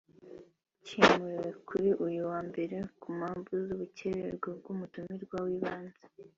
kimuriwe kuri uyu wa Mbere ku mpamvu z’ubucyererwe bw’umutumirwa w’ibanze